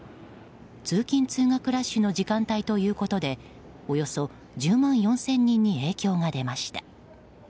通勤・通学ラッシュの時間帯ということでおよそ１０万４０００人に影響が出ました。